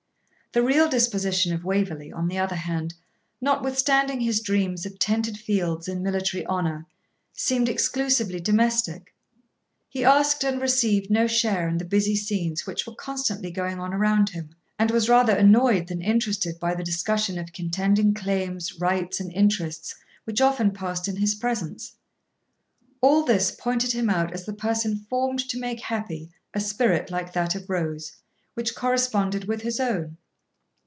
The real disposition of Waverley, on the other hand, notwithstanding his dreams of tented fields and military honour, seemed exclusively domestic. He asked and received no share in the busy scenes which were constantly going on around him, and was rather annoyed than interested by the discussion of contending claims, rights, and interests which often passed in his presence. All this pointed him out as the person formed to make happy a spirit like that of Rose, which corresponded with his own.